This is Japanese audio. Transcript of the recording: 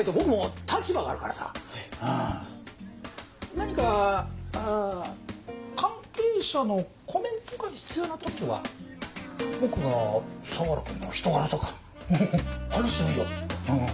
何か関係者のコメントが必要な時は僕が相良君の人柄とか話してもいいようん。